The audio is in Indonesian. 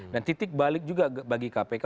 dan titik balik juga bagi kpk